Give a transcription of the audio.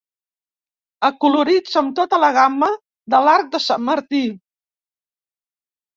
Acolorits amb tota la gamma de l'arc de sant Martí.